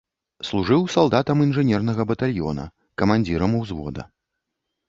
Служыў салдатам інжынернага батальёна, камандзірам узвода.